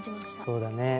そうだね。